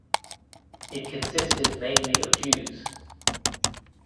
It consisted mainly of Jews.